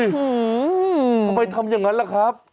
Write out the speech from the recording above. ทำไมทำอย่างนั้นล่ะครับ